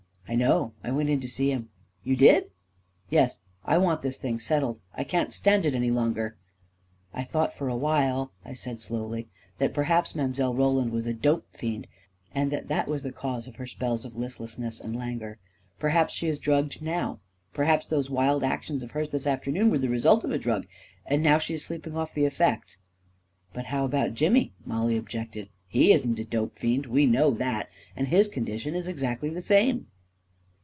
41 I know — I went in to see him." "You did?" " Yes — I want this thing settled — I can't stand it any longer." " I thought for a while," I said slowly, " that per haps Mile. Roland was a dope fiend, and that that was the cause of her spells of listlessness and lan guor. Perhaps she is drugged now — perhaps those wild actions of hers this afternoon were the result of a drug; and now she is sleeping off the effects." "But how about Jimmy?" Mollie objected. " He isn't a dope fiend — we know that — and his condition is exactly the same."